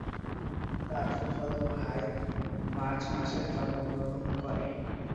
তার ফুফাতো ভাই মার্চ মাসে জন্মগ্রহণ করে।